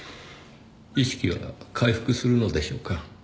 意識は回復するのでしょうか？